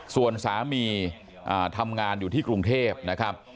ส่วนสามีทำงานอยู่ที่กรุงเทพนะครับ